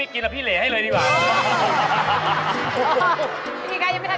ไม่กินแล้วตาเหร่